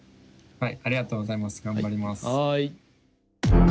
はい。